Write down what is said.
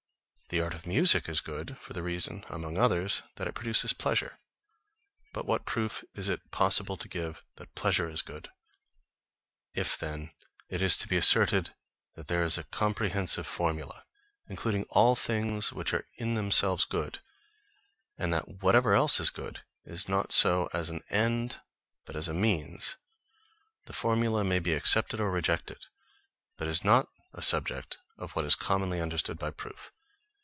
The art of music is good, for the reason, among others, that it produces pleasure; but what proof is it possible to give that pleasure is good? If, then, it is asserted that there is a comprehensive formula, including all things which are in themselves good, and that whatever else is good, is not so as an end, but as a mean, the formula may be accepted or rejected, but is not a subject of what is commonly understood by proof.